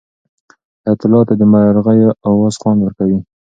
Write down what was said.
حیات الله ته د مرغیو اواز خوند ورکوي.